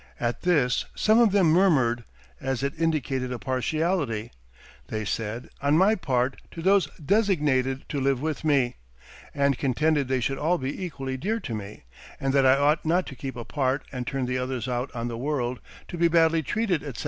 At this some of them murmured, as it indicated a partiality, they said, on my part to those designated to live with me; and contended they should all be equally dear to me, and that I ought not to keep a part and turn the others out on the world, to be badly treated, etc.